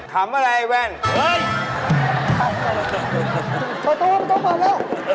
ขอตัวล่ะพอตัวล่ะ